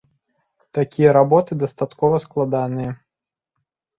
Такія работы дастаткова складаныя.